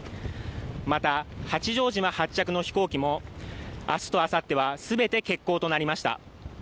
また、八丈島発着の飛行機も明日とあさっては全て欠航となりました。